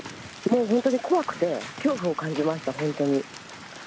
もう本当に怖くて、恐怖を感じました、本当に。